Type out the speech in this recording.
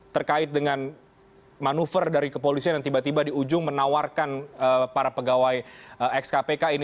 terkait dengan manuver dari kepolisian yang tiba tiba di ujung menawarkan para pegawai ex kpk ini